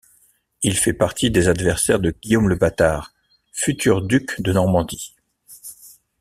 Il fait partie des adversaires de Guillaume le Bâtard, futur duc de Normandie.